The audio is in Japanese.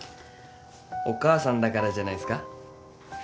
お母さんだからじゃないすか？